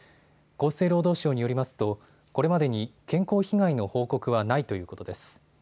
厚生労働省によりますとこれまでに健康被害の報告はないということです。